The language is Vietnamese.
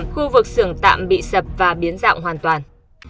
khu vực xưởng tạm bị sập và biến dạng hoàn toàn